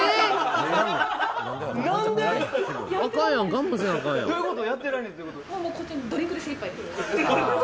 逆にどういうこと？